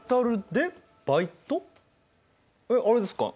あれですか？